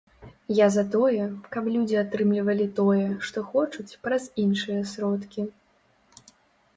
Я за тое, каб людзі атрымлівалі тое, што хочуць, праз іншыя сродкі.